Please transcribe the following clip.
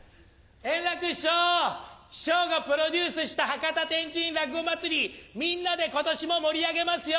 円楽師匠師匠がプロデュースした博多・天神落語まつりみんなで今年も盛り上げますよ！